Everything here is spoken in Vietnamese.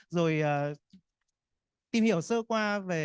rồi tìm hiểu sơ qua